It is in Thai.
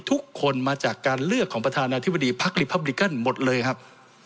ทุกคนมาจากการเลือกของประธานาธิบดีพักลิพับริกันหมดเลยครับ